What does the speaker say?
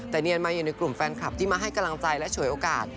แต่เนียนมาอยู่ในกลุ่มแฟนคลับที่มาให้กำลังใจและฉวยโอกาส